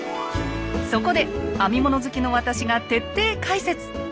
そこで編み物好きの私が徹底解説。